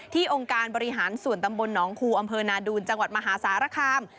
องค์การบริหารส่วนตำบลหนองคูอำเภอนาดูนจังหวัดมหาสารคาม